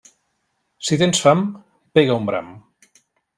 Si tens fam, pega un bram.